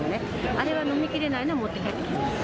あれは飲みきれないのは持って帰ってきます。